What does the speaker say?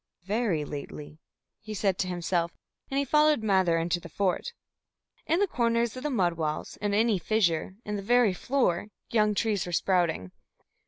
"Very lately," he said to himself, and he followed Mather into the fort. In the corners of the mud walls, in any fissure, in the very floor, young trees were sprouting.